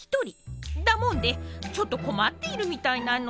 だもんでちょっと困っているみたいなの。